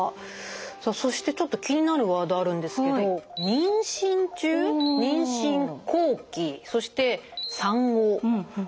さあそしてちょっと気になるワードあるんですけど「妊娠中」「妊娠後期」そして「産後」。